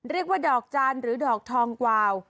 เรียกว่าดอกจานหรือดอกทองกวาว